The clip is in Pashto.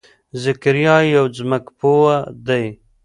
ذکریا یو ځمکپوه دی.